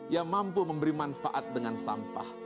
yang mampu memberi manfaat dengan sampah